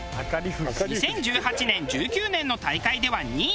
２０１８年２０１９年の大会では２位。